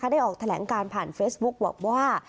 ได้ออกแถลงการผ่านเฟซบุ๊กบอกว่า